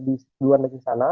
di luar negara sana